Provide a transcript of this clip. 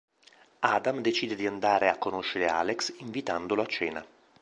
Adam decide di andare a conoscere Alex, invitandolo a cena.